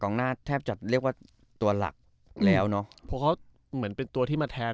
หน้าแทบจะเรียกว่าตัวหลักแล้วเนอะเพราะเขาเหมือนเป็นตัวที่มาแทน